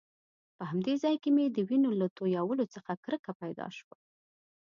په همدې ځای کې مې د وینو له تويولو څخه کرکه پیدا شوه.